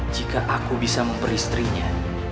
jika aku bisa memperistirinya